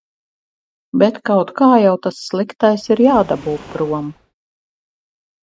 Bet kaut kā jau tas sliktais ir jādabū prom...